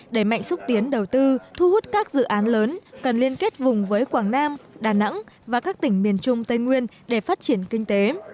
đẩy mạnh xúc tiến đầu tư thu hút các dự án lớn cần liên kết vùng với quảng nam đà nẵng và các tỉnh miền trung tây nguyên để phát triển kinh tế